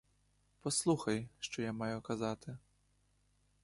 Послухай, що я маю казати.